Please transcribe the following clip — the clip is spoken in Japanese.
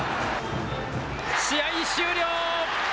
試合終了。